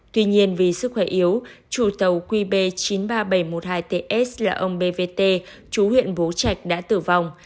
tuy nhiên vì sức khỏe yếu chủ tàu qb chín trăm ba mươi bảy một mươi hai ts là ông bvt chủ huyện bố trạch đã tử vong